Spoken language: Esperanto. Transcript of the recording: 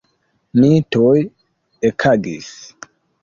Mi tuj ekagis.